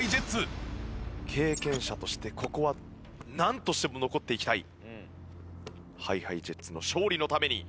経験者としてここはなんとしても残っていきたい。ＨｉＨｉＪｅｔｓの勝利のために！